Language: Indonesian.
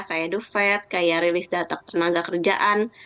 kayak duvet kayak rilis data tenaga kerjaan